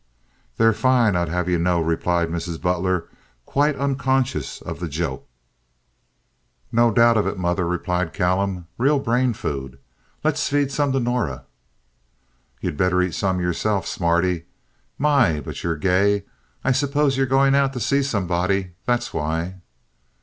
"They're fine, I'd have ye know," replied Mrs. Butler, quite unconscious of the joke. "No doubt of it, mother," replied Callum. "Real brain food. Let's feed some to Norah." "You'd better eat some yourself, smarty. My, but you're gay! I suppose you're going out to see somebody. That's why."